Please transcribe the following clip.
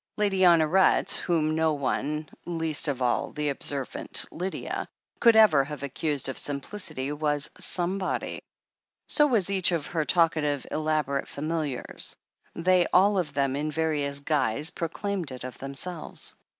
Lady Honoret, whom no one, least of all the observant Lydia, could ever have accused of simplicity, was "somebody." So was each one of her talkative, elaborate familiars. They all of them, in various guise, proclaimed it of themselves.